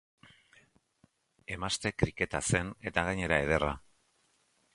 Emazte kriketa zen eta gainera ederra.